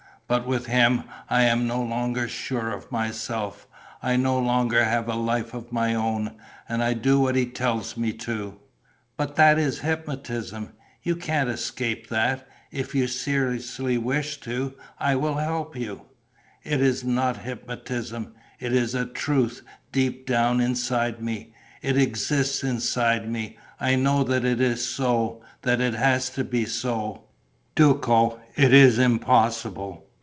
But with him I am no longer sure of myself, I no longer have a life of my own. And I do what he tells me to." "But that is hypnotism: you can escape that, if you seriously wish to. I will help you." "It is not hypnotism. It is a truth, deep down inside me. It exists inside me. I know that it is so, that it has to be so.... Duco, it is impossible.